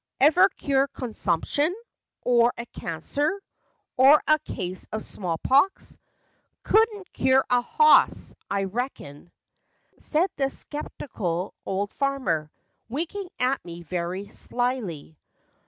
"Ever cure consumption ? Or a Cancer ? Or a case of small pox ? Couldn't cure a hoss, I reckon," 88 FACTS AND FANCIES. Said the sceptical old farmer, Winking at me very slyly.